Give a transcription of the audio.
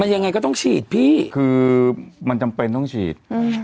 ยังไงก็ต้องฉีดพี่คือมันจำเป็นต้องฉีดอืม